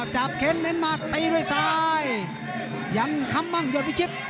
จาบเข็มเม้นมาตีด้วยซ้ายยันคำมั่งยอดวิชิต